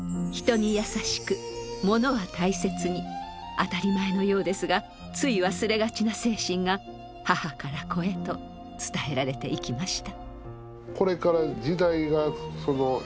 当たり前のようですがつい忘れがちな精神が母から子へと伝えられていきました。